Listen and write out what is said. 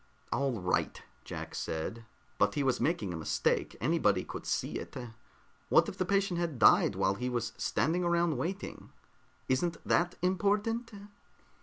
"All right," Jack said, "but he was making a mistake. Anybody could see that. What if the patient had died while he was standing around waiting? Isn't that important?"